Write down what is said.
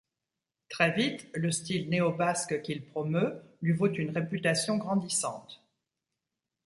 Très vite, le style néobasque qu’il promeut lui vaut une réputation grandissante.